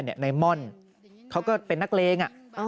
นายม่อนเขาก็เป็นนักเลง